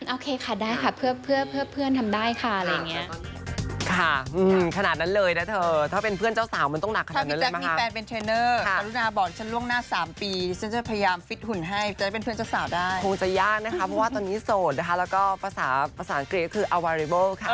โอเคค่ะได้ค่ะเพื่อเพื่อนทำได้ค่ะอะไรอย่างนี้